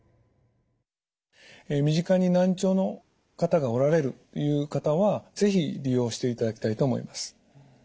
身近に難聴の方がおられるっていう方は是非利用していただきたいと思います。